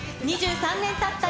２３年たった